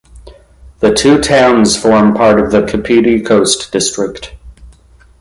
The two towns form part of the Kapiti Coast District.